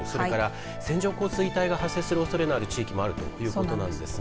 それから線状降水帯が発生するおそれのある地域があるということなんですね。